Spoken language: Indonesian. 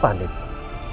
kamu salah apa apa ya